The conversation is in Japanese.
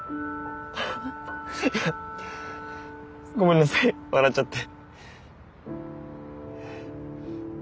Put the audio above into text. いやごめんなさい笑っちゃって。